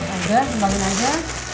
ada kembangin aja